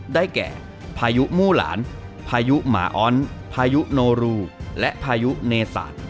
ได้แก่พายุมู่หลานพายุหมาอ้อนพายุโนรูและพายุเนศาสตร์